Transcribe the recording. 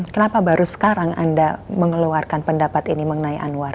kenapa baru sekarang anda mengeluarkan pendakwa raya